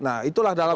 nah itulah dalam